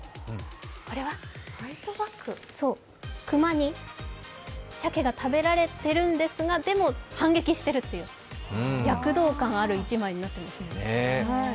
熊に鮭が食べられているんですが、反撃しているという躍動感ある１枚になってますね。